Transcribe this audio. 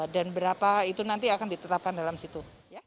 dan berapa itu nanti akan ditetapkan dalam situ